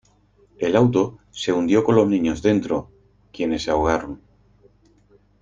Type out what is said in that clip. El auto se hundió con los niños dentro, quienes se ahogaron.